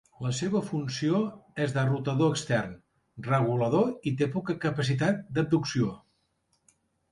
La seva funció és de rotador extern, regulador i té poca capacitat d'abducció.